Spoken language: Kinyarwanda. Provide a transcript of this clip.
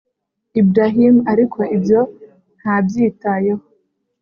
Ebrahim ariko ibyo ntabyitayeho